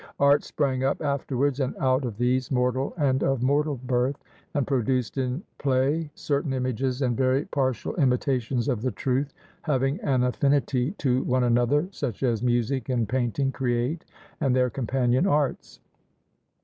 Art sprang up afterwards and out of these, mortal and of mortal birth, and produced in play certain images and very partial imitations of the truth, having an affinity to one another, such as music and painting create and their companion arts.